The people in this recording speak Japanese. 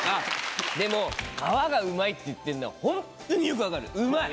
でも、皮がうまいっていってるのは本当によく分かる、うまい。